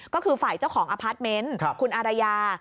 ก็คือฝ่ายเจ้าของอพาร์ทเมนต์คุณอารยา